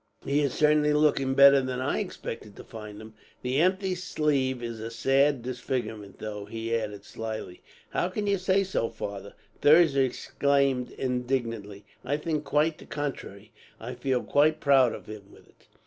He is certainly looking better than I expected to find him. "That empty sleeve is a sad disfigurement, though," he added slyly. "How can you say so, father?" Thirza exclaimed indignantly. "I think quite the contrary, and I feel quite proud of him with it."